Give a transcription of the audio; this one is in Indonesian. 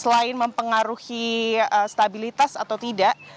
selain mempengaruhi stabilitas atau tidak